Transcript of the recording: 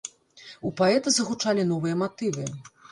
У паэта загучалі новыя матывы.